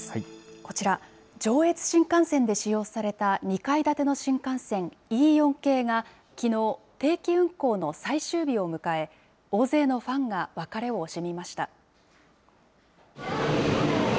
こちら、上越新幹線で使用された２階建ての新幹線、Ｅ４系が、きのう、定期運行の最終日を迎え、大勢のファンが別れを惜しみました。